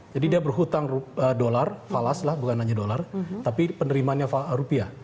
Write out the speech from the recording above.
jadi dia berhutang dolar falas lah bukan hanya dolar tapi penerimanya rupiah